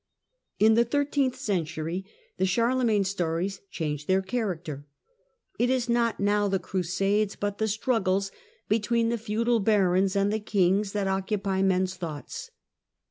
In the thirteenth century the Charlemagne stories change their character. It is not now the Crusades, but the struggles between the feudal barons and the kings, that occupy men's thoughts.